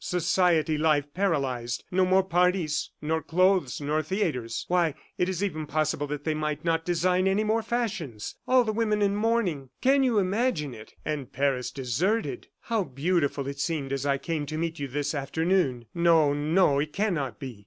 Society life paralyzed. No more parties, nor clothes, nor theatres! Why, it is even possible that they might not design any more fashions! All the women in mourning. Can you imagine it? ... And Paris deserted. ... How beautiful it seemed as I came to meet you this afternoon! ... No, no, it cannot be!